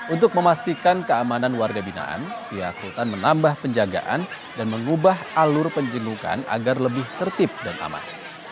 untuk memastikan keamanan warga binaan pihak rutan menambah penjagaan dan mengubah alur penjenukan agar lebih tertib dan aman